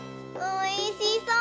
おいしそう！